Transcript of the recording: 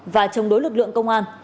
và chống đối lực lượng công an